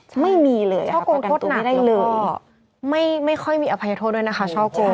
ใช่ช่อกรงทดหนักแล้วก็ไม่ค่อยมีอภัยโทษด้วยนะคะช่อกรง